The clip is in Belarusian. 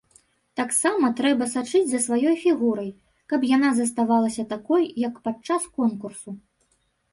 Таксама трэба сачыць за сваёй фігурай, каб яна заставалася такой, як падчас конкурсу.